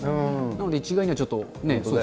なので一概にはちょっと。